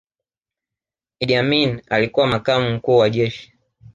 iddi amin alikuwa makamu mkuu wa jeshi